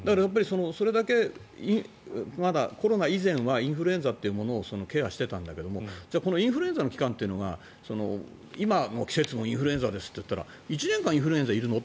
それだけ、まだコロナ以前はインフルエンザというものをケアしていたんだけど、じゃあインフルエンザの期間というのが今の季節のインフルエンザですといったら１年間インフルエンザいるの？